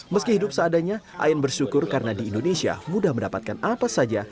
meski hidup seadanya ayan bersyukur karena di indonesia mudah mendapatkan apa saja